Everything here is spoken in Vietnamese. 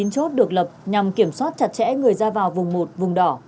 ba mươi chín chốt được lập nhằm kiểm soát chặt chẽ người ra vào vùng một vùng đỏ